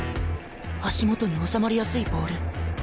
足元に収まりやすいボール。